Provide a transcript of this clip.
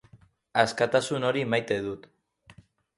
Askatasun hori maite dut.